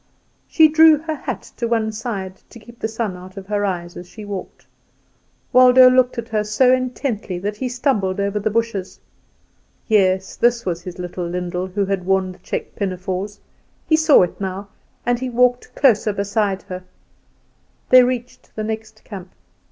She drew her hat to one side to keep the sun out of her eyes as she walked. Waldo looked at her so intently that he stumbled over the bushes. Yes, this was his little Lyndall who had worn the check pinafores; he saw it now, and he walked closer beside her. They reached the next camp.